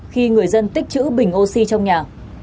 khi người dân tích chữ bình oxy trong nhà